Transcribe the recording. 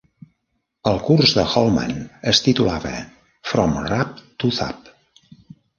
El curs de Holman es titulava "From Rap to Zap".